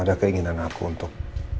ada keinginan aku untuk